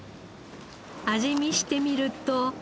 味見してみると。